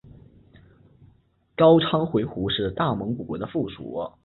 高昌回鹘是大蒙古国的附庸。